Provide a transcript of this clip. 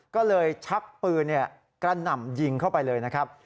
ก็เลยชักปืนกระหน่ำยิงเข้าไปเลยนะครับ